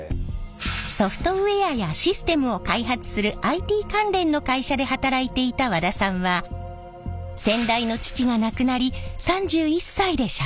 ソフトウエアやシステムを開発するＩＴ関連の会社で働いていた和田さんは先代の父が亡くなり３１歳で社長に。